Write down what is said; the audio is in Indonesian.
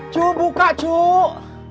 cuk buka cuk